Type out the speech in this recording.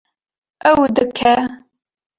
Ew dike